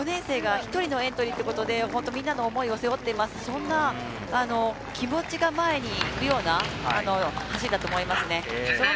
立命館は４年生が１人のエントリーということで、みんなの思いを背負っていますし、そんな気持ちが前に行くような走りだと思いますね。